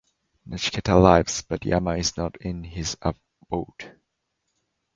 Nachiketa arrives, but Yama is not in his abode.